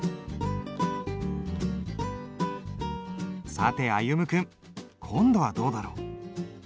さて歩夢君。今度はどうだろう？